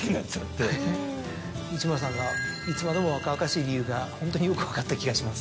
市村さんがいつまでも若々しい理由がホントによく分かった気がします。